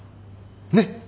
ねっ？